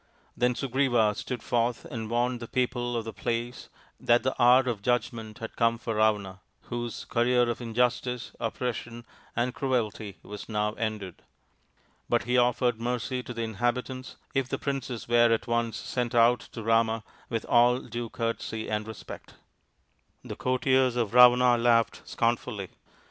Then Sugriva tood forth and warned the people of the place that he hour of judgment had come for Ravana, whose :areer of injustice, oppression, and cruelty was now sided. But he offered mercy to the inhabitants if he princess were at once sent out to Rama with all lue courtesy and respect. The courtiers of Ravana laughed scornfully.